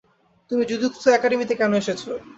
তুমি জুজুৎসু একাডেমীতে কেন এসেছো?